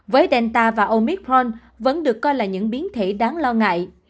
với delta và omithron vẫn được coi là những biến thể đáng lo ngại